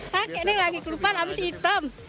pakai ini lagi lupa habis hitam